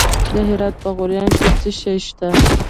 د هرات په غوریان کې څه شی شته؟